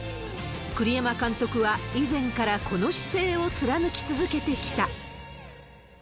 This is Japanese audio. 栗山監督は以前からこの姿勢を貫き続けてきた。